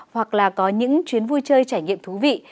hoặc là có những chuyến vui chơi trải nghiệm thú vị